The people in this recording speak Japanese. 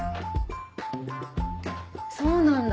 そうなんだ。